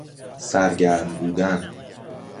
سرگرم بودن